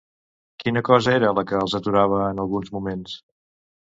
Quina cosa era la que els aturava en alguns moments?